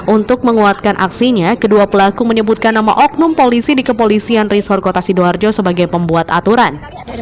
untuk menguatkan aksinya kedua pelaku menyebutkan nama oknum polisi di kepolisian resor kota sidoarjo sebagai pembuat aturan